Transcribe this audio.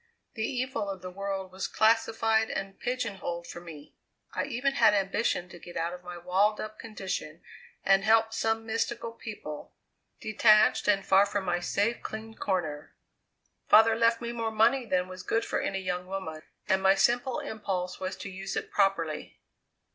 The evil of the world was classified and pigeon holed for me. I even had ambition to get out of my walled up condition and help some mystical people, detached and far from my safe, clean corner. Father left me more money than was good for any young woman, and my simple impulse was to use it properly."